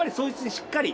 しっかり。